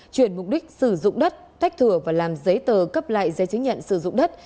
chuyển mục đích sử dụng đất tách thừa và làm giấy tờ cấp lại giấy chứng nhận sử dụng đất